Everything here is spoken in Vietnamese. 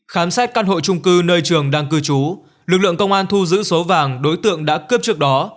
khám xét căn hộ trung cư nơi trường đang cư trú lực lượng công an thu giữ số vàng đối tượng đã cướp trước đó